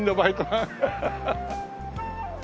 ハハハハ。